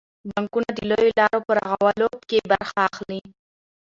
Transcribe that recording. بانکونه د لویو لارو په رغولو کې برخه اخلي.